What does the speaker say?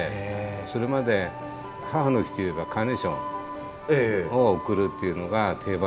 それまで母の日といえばカーネーションを贈るっていうのが定番だったわけですけど